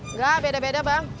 nggak beda beda bang